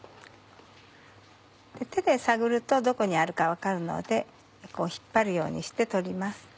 手で探るとどこにあるか分かるので引っ張るようにして取ります。